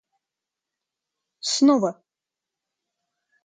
снова